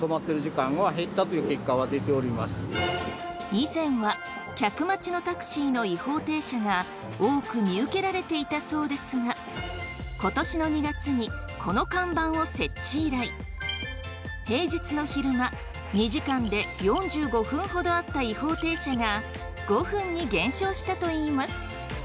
以前は客待ちのタクシーの違法停車が多く見受けられていたそうですが今年の２月にこの看板を設置以来平日の昼間２時間で４５分ほどあった違法停車が５分に減少したといいます。